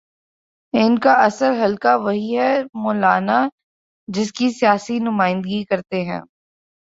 ان کا اصل حلقہ وہی ہے، مولانا جس کی سیاسی نمائندگی کرتے ہیں۔